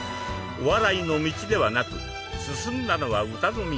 お笑いの道ではなく進んだのは歌の道。